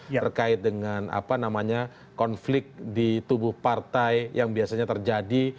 terkait dengan konflik di tubuh partai yang biasanya terjadi